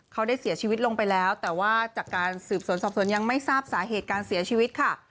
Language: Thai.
เขาได้เสียชีวิตลงไปแล้วแต่ว่าจากการสืบสวนสอบสวนยังไม่ทราบสาเหตุการเสียชีวิตค่ะ